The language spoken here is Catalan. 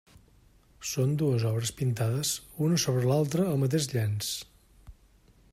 Són dues obres pintades una sobre l'altra al mateix llenç.